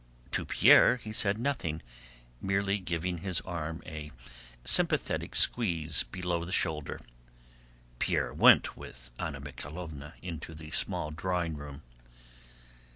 To Pierre he said nothing, merely giving his arm a sympathetic squeeze below the shoulder. Pierre went with Anna Mikháylovna into the small drawing room.